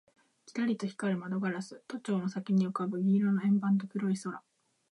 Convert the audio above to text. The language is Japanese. キラリと光る窓ガラス、都庁の先に浮ぶ銀色の円盤と黒い空